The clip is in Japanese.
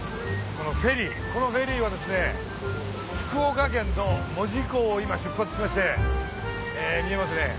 このフェリーはですね福岡県の門司港を今出発しまして見えますね